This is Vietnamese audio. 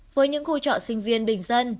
với những khu trọ sinh viên bình dân